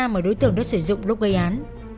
mà đối tượng đã sử dụng lúc gây án